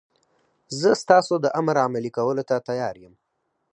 زه ستاسو د امر عملي کولو ته تیار یم.